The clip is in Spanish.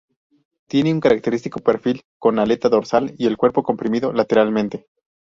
Tiene un característico perfil, con la aleta dorsal y el cuerpo comprimido lateralmente.